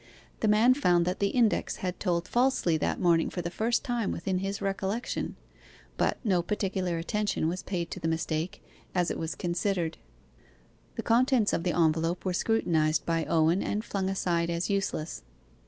The man found that the index had told falsely that morning for the first time within his recollection; but no particular attention was paid to the mistake, as it was considered. The contents of the envelope were scrutinized by Owen and flung aside as useless.